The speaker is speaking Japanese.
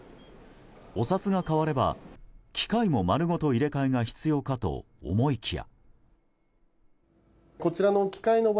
お札が変われば機械も丸ごと入れ替えが必要かと思いきや。